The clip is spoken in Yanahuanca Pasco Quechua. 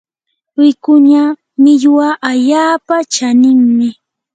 wikuña millwa allaapa chaninmi.